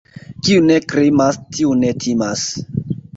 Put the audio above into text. Kiu ne krimas, tiu ne timas.